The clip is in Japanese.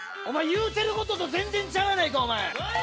お前言うてることと全然ちゃうやないか。